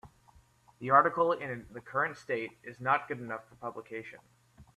The article in the current state is not good enough for publication.